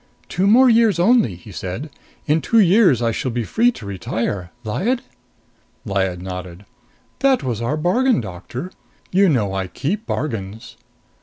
"Two more years only!" he said. "In two years I shall be free to retire, Lyad?" Lyad nodded. "That was our bargain, Doctor. You know I keep bargains."